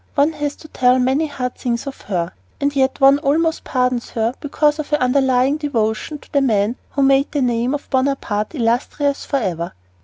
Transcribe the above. One has to tell many hard things of her; and yet one almost pardons her because of her underlying devotion to the man who made the name of Bonaparte illustrious for ever.